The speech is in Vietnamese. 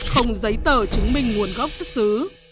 không giấy tờ chứng minh nguồn gốc thực xứ